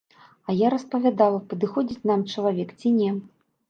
А я распавядала падыходзіць нам чалавек, ці не.